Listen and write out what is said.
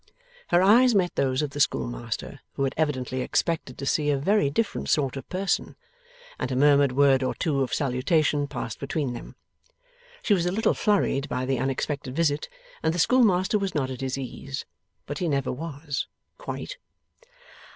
Her eyes met those of the schoolmaster, who had evidently expected to see a very different sort of person, and a murmured word or two of salutation passed between them. She was a little flurried by the unexpected visit, and the schoolmaster was not at his ease. But he never was, quite.